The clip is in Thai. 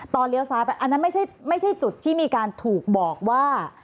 เลี้ยวซ้ายไปอันนั้นไม่ใช่จุดที่มีการถูกบอกว่า